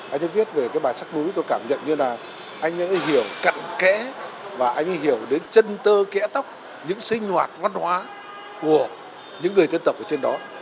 anh ấy viết về cái bài sắc bú tôi cảm nhận như là anh ấy hiểu cận kẽ và anh hiểu đến chân tơ kẽ tóc những sinh hoạt văn hóa của những người dân tộc ở trên đó